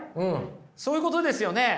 そういうことですよね？